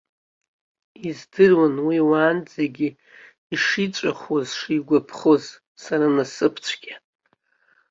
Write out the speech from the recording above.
Издыруан уи уаанӡагьы ишиҵәахуаз сшигәаԥхоз, сара насыԥцәгьа.